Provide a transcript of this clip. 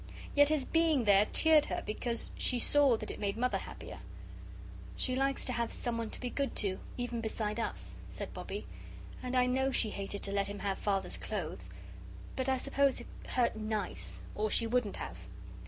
Yet his being there cheered her because she saw that it made Mother happier. "She likes to have someone to be good to, even beside us," said Bobbie. "And I know she hated to let him have Father's clothes. But I suppose it 'hurt nice,' or she wouldn't have."